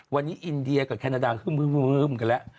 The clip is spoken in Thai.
วันนี้อินเดียกับแคนาดาคือมกันแล้ว